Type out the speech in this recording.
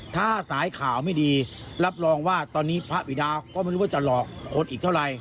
ถ้าสายข่าวไม่ดีรับรองว่าตอนนี้พระบิดาก็ไม่รู้ว่าจะหลอกคนอีกเท่าไหร่